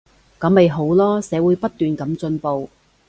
噉咪好囉，社會不斷噉進步